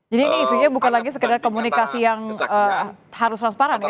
jadi ini isunya bukan lagi sekedar komunikasi yang harus transparan ya